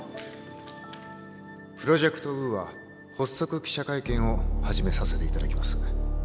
プロジェクト・ウーア発足記者会見を始めさせていただきます。